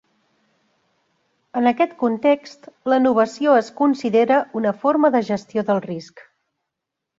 En aquest context, la novació es considera una forma de gestió del risc.